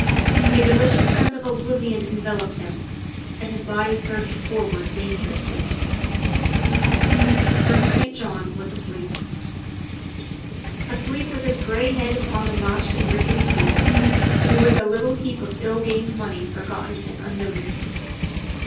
A delicious sense of oblivion enveloped him, and his body surged forward dangerously. THE SECRETARY OF STATE 29 Colonel St. John was asleep. Asleep with his gray head upon the notched and rickety table, and with the little heap of ill gained money forgotten and unnoticed.